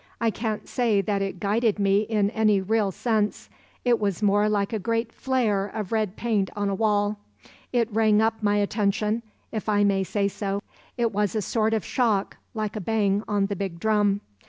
I can't say that it guided me in any real sense; it was more like a great flare of red paint on a wall; it rang up my attention, if I may say so; it was a sort of shock like a bang on the big drum.